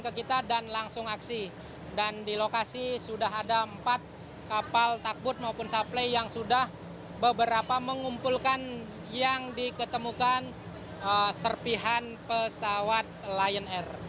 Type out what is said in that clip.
ketika di situ ada empat kapal takbut dan suplai yang sudah mengumpulkan yang diketemukan serpihan pesawat lion air